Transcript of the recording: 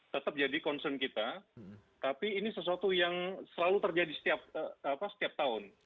tetap jadi concern kita tapi ini sesuatu yang selalu terjadi setiap tahun